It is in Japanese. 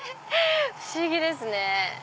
不思議ですね。